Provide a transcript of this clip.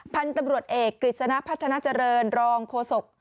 พันธุ์ตำรวจเอกกฤษณะพัฒนาเจริญรองโฆษก